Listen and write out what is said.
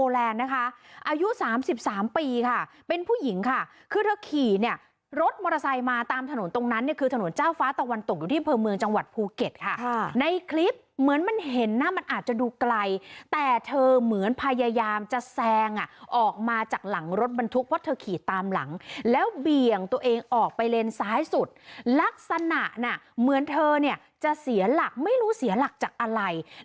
อายุ๓๓ปีค่ะเป็นผู้หญิงค่ะคือเธอขี่เนี่ยรถมอเตอร์ไซค์มาตามถนนตรงนั้นเนี่ยคือถนนเจ้าฟ้าตะวันตกอยู่ที่อำเภอเมืองจังหวัดภูเก็ตค่ะในคลิปเหมือนมันเห็นนะมันอาจจะดูไกลแต่เธอเหมือนพยายามจะแซงอ่ะออกมาจากหลังรถบรรทุกเพราะเธอขี่ตามหลังแล้วเบี่ยงตัวเองออกไปเลนซ้ายสุดลักษณะน่ะเหมือนเธอเนี่ยจะเสียหลักไม่รู้เสียหลักจากอะไร